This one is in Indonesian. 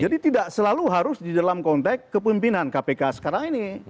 jadi tidak selalu harus di dalam konteks kepemimpinan kpk sekarang ini